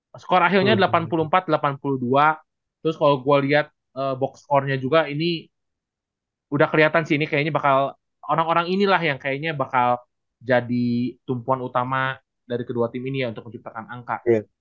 jadi skor akhirnya delapan puluh empat delapan puluh dua terus kalau gue lihat box scorenya juga ini udah kelihatan sih ini kayaknya bakal orang orang inilah yang kayaknya bakal jadi tumpuan utama dari kedua tim ini ya untuk menciptakan angka